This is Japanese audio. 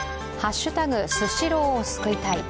「＃スシローを救いたい」。